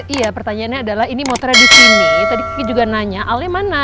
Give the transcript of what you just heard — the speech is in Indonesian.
iya pertanyaannya adalah ini motret di sini tadi kiki juga nanya alnya mana